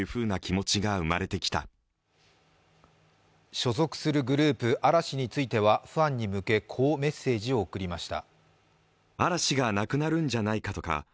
所属するグループ・嵐についてはファンに向けこうメッセージを送りました。